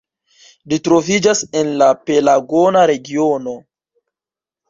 Ĝi troviĝas en la Pelagona regiono.